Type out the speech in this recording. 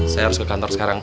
saya harus ke kantor sekarang